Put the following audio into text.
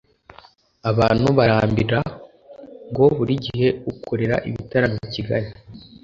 abantu barambwira ngo buri gihe ukorera ibitaramo i Kigali